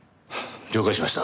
了解しました。